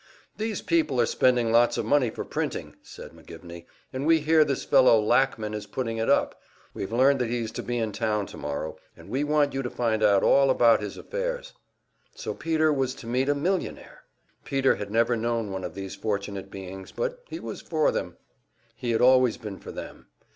"These people are spending lots of money for printing," said McGivney, "and we hear this fellow Lackman is putting it up. We've learned that he is to be in town tomorrow, and we want you to find out all about his affairs." So Peter was to meet a millionaire! Peter had never known one of these fortunate beings, but he was for them he had always been for them.